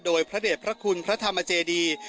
โดยพระเด็จพระคุณพระธรรมเจดี